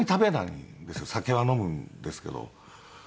酒は飲むんですけど。